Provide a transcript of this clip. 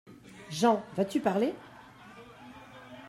JEAN : Vas-tu parler !